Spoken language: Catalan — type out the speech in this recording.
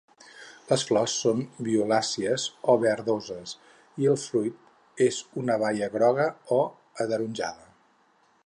Les flors són violàcies o verdoses i el fruit és una baia groga o ataronjada.